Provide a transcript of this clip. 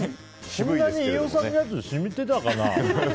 そんなに飯尾さんのやつ染みていたかな。